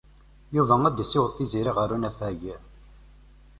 Yuba ad yessiweḍ Tiziri ɣer unafag.